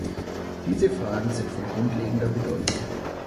Diese Fragen sind von grundlegender Bedeutung.